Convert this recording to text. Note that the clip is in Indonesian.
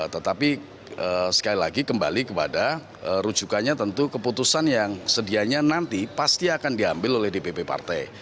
tetapi sekali lagi kembali kepada rujukannya tentu keputusan yang sedianya nanti pasti akan diambil oleh dpp partai